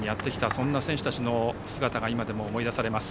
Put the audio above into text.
そんな選手たちの姿が今でも思い出されます。